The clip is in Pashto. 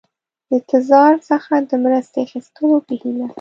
د تزار څخه د مرستې اخیستلو په هیله.